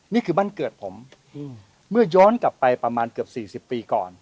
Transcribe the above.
นี่คือบ้านเกิดผมเมื่อย้อนกลับไปประมาณเกือบ๔๐ปีก่อน